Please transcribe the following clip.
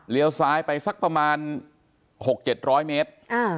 เลี้ยวซ้ายไปประมาณ๖๗๐๐เมตร